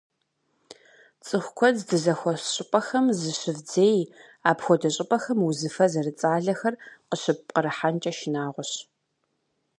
ЦӀыху куэд здызэхуэс щӀыпӀэхэм зыщывдзей, апхуэдэ щӀыпӀэхэм узыфэ зэрыцӏалэхэр къыщыппкъырыхьэнкӏэ шынагъуэщ.